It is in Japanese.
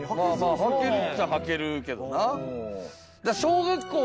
履けるっちゃ履けるけどな。